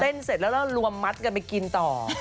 เสร็จแล้วเรารวมมัดกันไปกินต่อ